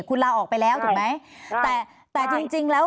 คุณลาออกไปแล้วถูกไหมแต่แต่จริงจริงแล้ว